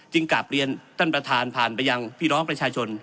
กลับเรียนท่านประธานผ่านไปยังพี่น้องประชาชน